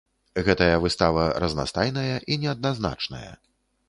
Гэтая выстава разнастайная і неадназначная.